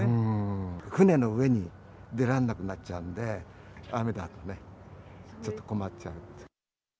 船の上に、出られなくなっちゃうんで、雨だとね、ちょっと困っちゃう。